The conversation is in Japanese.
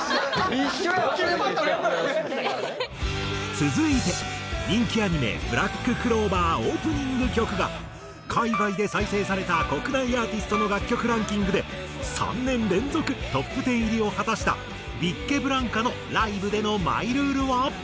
続いて人気アニメ『ブラッククローバー』オープニング曲が海外で再生された国内アーティストの楽曲ランキングで３年連続トップ１０入りを果たしたビッケブランカのライブでのマイルールは？